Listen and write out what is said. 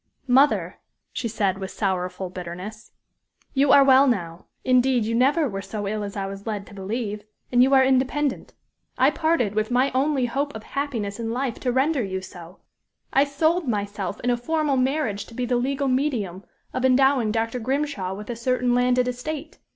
"Mother," she said, with sorrowful bitterness, "you are well now; indeed, you never were so ill as I was led to believe; and you are independent. I parted with my only hope of happiness in life to render you so; I sold myself in a formal marriage to be the legal medium of endowing Dr. Grimshaw with a certain landed estate.